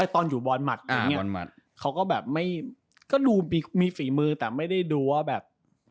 ตอนอยู่บอลมัดเขาก็ดูมีฝีมือแต่ไม่ได้ดูว่าแบบ